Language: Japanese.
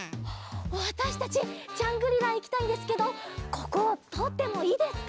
わたしたちジャングリラいきたいんですけどこことおってもいいですか？